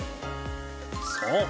そう。